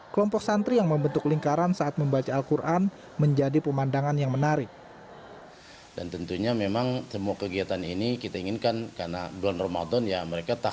kelompok santri yang membentuk lingkaran saat membaca al quran menjadi pemandangan yang menarik